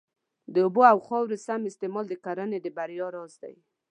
د اوبو او خاورې سم استعمال د کرنې د بریا راز دی.